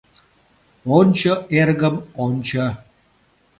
— Ончо, эргым, ончо!